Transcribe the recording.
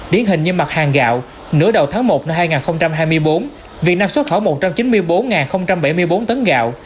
điển hình như mặt hàng gạo nửa đầu tháng một năm hai nghìn hai mươi bốn việt nam xuất khẩu một trăm chín mươi bốn bảy mươi bốn tấn gạo